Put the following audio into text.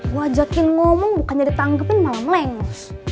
gue ajakin ngomong bukan jadi tanggepin malah melengos